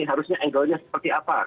harusnya angle nya seperti apa